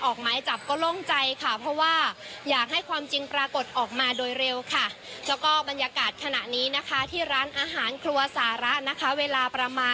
ออกมาให้จับก็ล่วงใจค่ะเพราะว่า